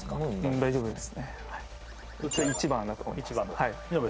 大丈夫です